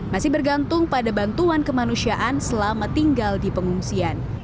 masih bergantung pada bantuan kemanusiaan selama tinggal di pengungsian